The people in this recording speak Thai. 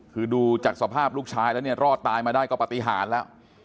คือดูจากสภาพลูกชายแล้วเนี่ยรอดตายมาได้ก็ปฏิหารแล้ว